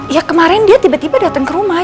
ya kemarin dia tiba tiba datang ke rumah